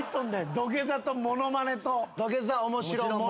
土下座と物まねと。